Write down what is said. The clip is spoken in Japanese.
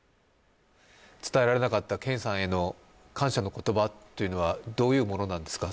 伝えられなかったけんさんへの感謝の言葉というのはどういうものなんですか？